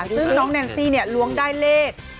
ซึ่งน้องแนนซี่ล้วงได้เลข